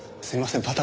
すいません